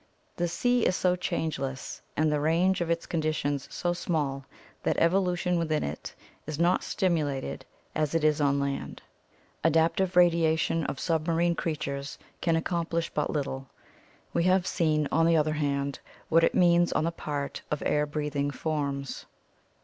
The sea is so changeless and the range of its conditions so small that evolution within it is not stimulated as it is on land. Adaptive radiation of submarine creatures can accomplish but little; we have seen, on the other hand, what it means on the part of air breathing forms.